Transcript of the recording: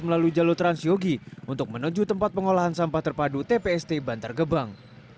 melalui jalur transyogi untuk menuju tempat pengolahan sampah terpadu tpst bantar gebang